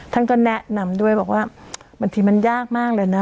ท่านก็แนะนำด้วยบอกว่าบางทีมันยากมากเลยนะ